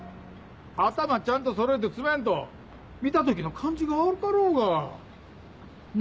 頭ちゃんとそろえて詰めんと見た時の感じが悪かろうが。